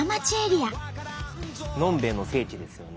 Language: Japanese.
のんべえの聖地ですよね